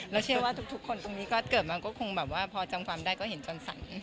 แล้วเชื่อว่าทุกคนตรงนี้ก็เกิดมาก็คงแบบว่าพอจำความได้ก็เห็นจรสัน